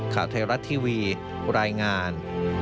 ข่าวไทยรัฐทีวีรายงาน